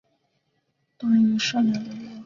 当一个善良的人